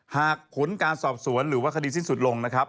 หากผลการสอบสวนหรือว่าคดีสิ้นสุดลงนะครับ